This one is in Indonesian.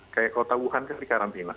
kayak kota wuhan kan di karantina